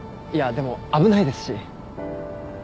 いやでも危ないですし。